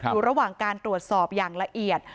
อยู่ระหว่างการตรวจสอบอย่างละเอียด